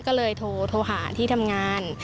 ก็เลยโทรหาที่ทำงาน